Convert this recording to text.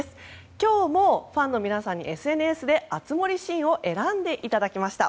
今日もファンの皆さんにＳＮＳで熱盛シーンを選んでいただきました。